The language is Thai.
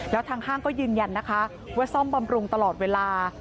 แล้วทางห้างก็ยืนยันนะคะว่าซ่อมบำรุงตลอดเวลา